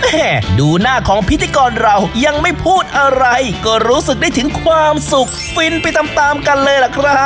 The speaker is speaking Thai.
ดูหน้าของพิธีกรเรายังไม่พูดอะไรก็รู้สึกได้ถึงความสุขฟินไปตามตามกันเลยล่ะครับ